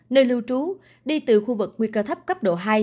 nơi lưu trú đi từ khu vực nguy cơ thấp cấp độ hai